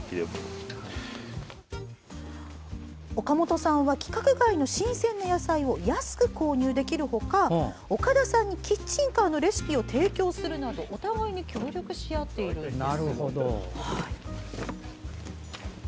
岡本さんは規格外の新鮮な野菜を安く購入できるほか岡田さんにキッチンカーのレシピを提供するなどお互いに協力し合っているんです。